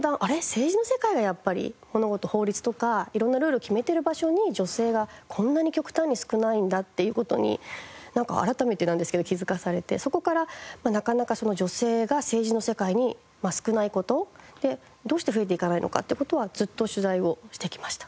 政治の世界がやっぱり物事法律とか色んなルールを決めてる場所に女性がこんなに極端に少ないんだっていう事に改めてなんですけど気づかされてそこからなかなか女性が政治の世界に少ない事どうして増えていかないのかって事はずっと取材をしてきました。